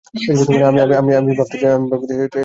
আমি ভাবতে চাই এটা আমার আনন্দ।